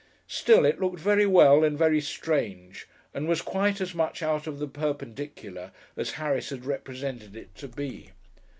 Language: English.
Still, it looked very well, and very strange, and was quite as much out of the perpendicular as Harris had represented it to be.